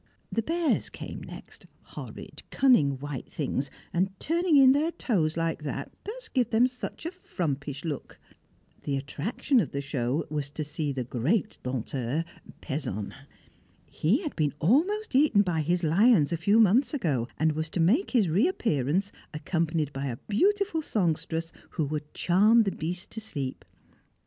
The bears came next, horrid cunning white things, and turning in their toes like that does give them such a frumpish look. The attraction of the show was to see the great Dompteur, Pezon. He had been almost eaten by his lions a few months ago, and was to make his reappearance accompanied by a beautiful songstress who would charm the beasts to sleep.